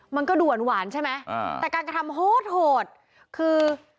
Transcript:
มันก็ด่วนหวานใช่ไหมอ่าแต่การกระทำโหดโหดคือ